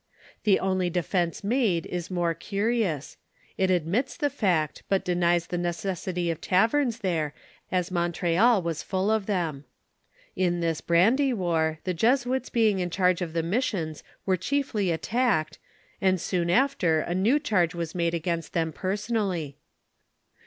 The only defence made is more curious ; it admits the fact, but denies the neces f I '1 80 NOTICE ON FATHER LE OLEBOQ. If W VI sity of taverns there, as Montreal was full of them. In this brand" war, the Jesuits being in charge of the missions, were chiefly attacked, and soon after a new charge was made against them personally.